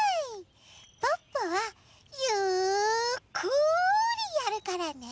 ポッポはゆっくりやるからね。